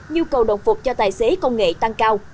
nhu cầu đồng phục cho tài xế công nghệ tăng cao